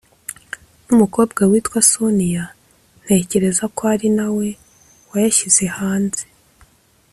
n’umukobwa witwa Sonia ntekereza ko ari nawe wayashyize hanze”